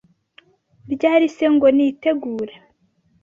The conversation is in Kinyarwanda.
Ryari se ngo nitegure